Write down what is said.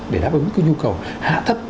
để đáp ứng cái nhu cầu hạ thấp